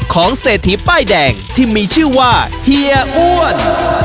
เศรษฐีป้ายแดงที่มีชื่อว่าเฮียอ้วน